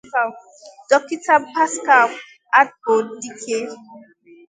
Dọkịta Paschal Adbodike